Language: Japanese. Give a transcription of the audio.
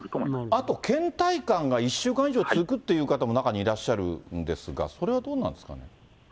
あと、けん怠感が１週間以上続くという方も、中にはいらっしゃるんですが、それはどうなんですかね。